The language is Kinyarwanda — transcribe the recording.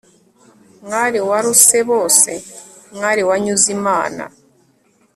mwari waruse bose, mwari wanyuze imana